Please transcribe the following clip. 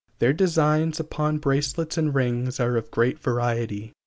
Their designs upon bracelets and rings are of great variety.